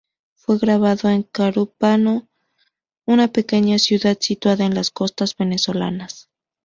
Fue grabado en Carúpano, una pequeña ciudad situada en las Costas Venezolanas.